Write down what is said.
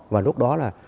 và lúc đó là